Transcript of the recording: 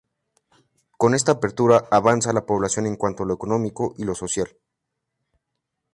Con esta apertura avanza la población en cuanto a lo económico y lo social.